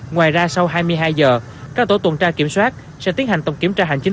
ngoài ra sau hai mươi hai giờ các tổ tuần tra kiểm soát sẽ tiến hành tổng kiểm tra hành chính